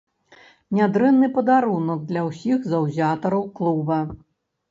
Нядрэнны падарунак для ўсіх заўзятараў клуба.